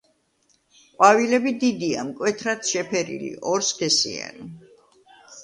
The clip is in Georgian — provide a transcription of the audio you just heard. ყვავილები დიდია, მკვეთრად შეფერილი, ორსქესიანი.